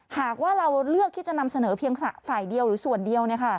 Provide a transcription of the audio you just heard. หากว่าเราเลือกที่จะนำเสนอเพียงฝ่ายเดียวหรือส่วนเดียว